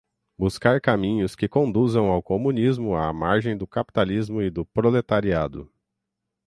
buscar caminhos que conduzam ao comunismo à margem do capitalismo e do proletariado